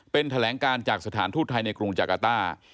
เป็นแถลงการจากสถานทูตไทยในกรุงจากาต้า